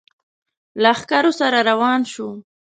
لښکرو سره روان شو.